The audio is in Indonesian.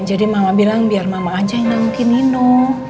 jadi mama bilang biar mama aja yang nangkukin nino